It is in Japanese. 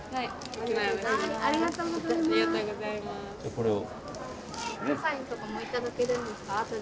これを。